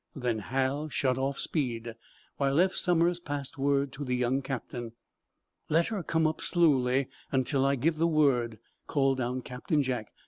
Then Hal shut off speed, while Eph Somers passed word to the young captain. "Let her come up slowly, until I give the word," called down Captain Jack.